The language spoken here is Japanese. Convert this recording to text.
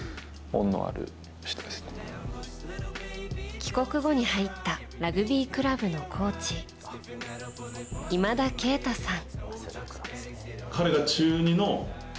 帰国後に入ったラグビークラブのコーチ今田圭太さん。